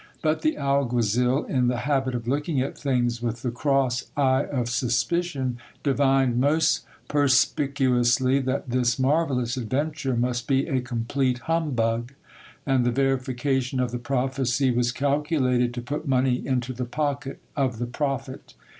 But the alguazil, in the habit of looking at things with the cross eye of suspicion, divined most perspicuously that this marvellous adventure must be a complete humbug ; and the verification of the prophecy was calculated to put money into the pocket of the prophet.